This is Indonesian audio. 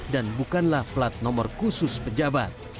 dan bukanlah plat nomor khusus pejabat